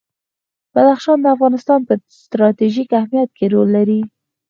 بدخشان د افغانستان په ستراتیژیک اهمیت کې رول لري.